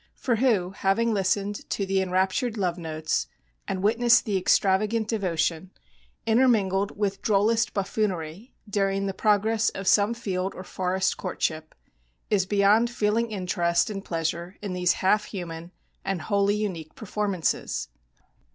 For who, having listened to the enraptured love notes and witnessed the extravagant devotion, intermingled with drollest buffoonery, during the progress of some field or forest courtship, is beyond feeling interest and pleasure in these half human and wholly unique performances?